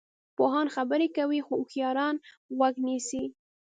پوهان خبرې کوي خو هوښیاران غوږ نیسي.